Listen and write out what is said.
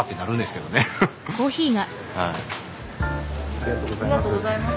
ありがとうございます。